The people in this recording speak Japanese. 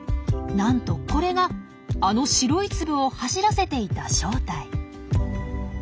なんとこれがあの白い粒を走らせていた正体。